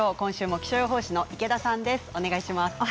気象予報士の池田さんです。